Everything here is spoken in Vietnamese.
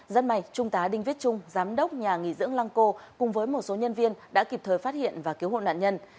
rất may trung tá đinh viết trung giám đốc nhà nghỉ dưỡng lăng cô cùng với một số nhân viên đã kịp thời phát hiện và cứu hộ nạn nhân